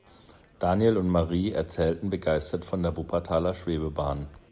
Daniel und Marie erzählten begeistert von der Wuppertaler Schwebebahn.